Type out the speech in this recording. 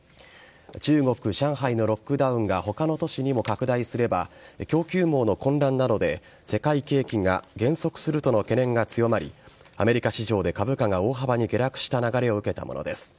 中国・上海のロックダウンが他の都市にも拡大すれば供給網の混乱などで世界景気が減速するとの懸念が強まりアメリカ市場で株価が大幅に下落した流れを受けたものです。